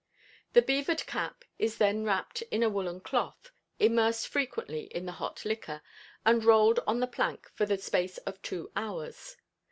The beavered cap is then wrapped in a woolen cloth, immersed frequently in the hot liquor, and rolled on the plank for the space of two hours.